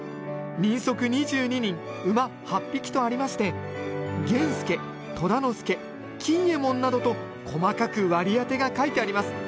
「人足二十二人馬八匹」とありまして「源助虎之助金右衛門」などと細かく割り当てが書いてあります。